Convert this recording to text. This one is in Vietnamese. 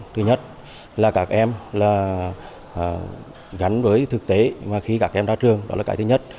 thứ nhất là các em là gắn với thực tế mà khi các em ra trường đó là cái thứ nhất